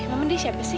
emang dia siapa sih